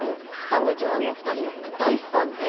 サンドウィッチマンのお二人のこと大ファンで。